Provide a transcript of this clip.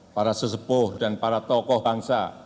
para sesepuh dan para tokoh bangsa